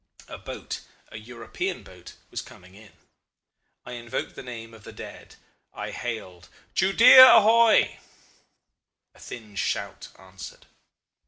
A boat, a European boat, was coming in. I invoked the name of the dead; I hailed: Judea ahoy! A thin shout answered.